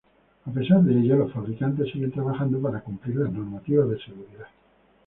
A pesar de ello, los fabricantes siguen trabajando para cumplir las normativas de seguridad.